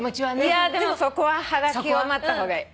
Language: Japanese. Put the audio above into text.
いやーでもそこははがきを待った方がいい。